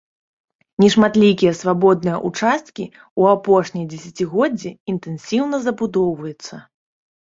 Нешматлікія свабодныя ўчасткі ў апошняе дзесяцігоддзе інтэнсіўна забудоўваюцца.